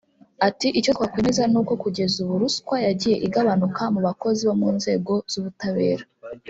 Ati “Icyo twakemeza ni uko kugeza ubu ruswa yagiye igabanuka mu bakozi bo mu nzego z’ubutabera